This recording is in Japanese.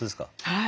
はい。